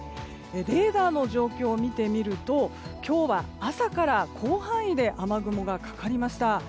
レーダーの状況を見てみると今日は朝から広範囲で雨雲がかかりました。